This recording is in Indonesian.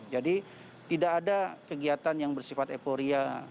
jadi tidak ada kegiatan yang bersifat eporia